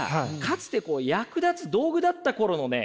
かつてこう役立つ道具だった頃のね